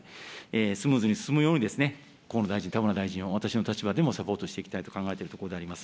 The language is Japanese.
スムーズに進むように、河野大臣、田村大臣、私の立場でもサポートしていきたいと考えているところであります。